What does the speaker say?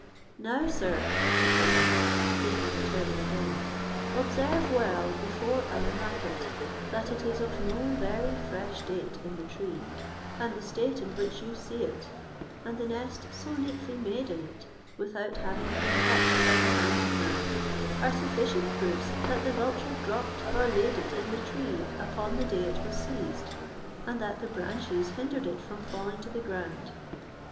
"Now, sir," added I, taking the turban again, "observe well before I unwrap it, that it is of no very fresh date in the tree; and the state in which you see it, and the nest so neatly made in it, without having been touched by the hand of man, are sufficient proofs that the vulture drops or laid it in the tree upon the day it was seized; and that the branches hindered it from falling to the ground.